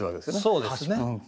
そうですね。